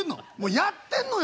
やってんのよ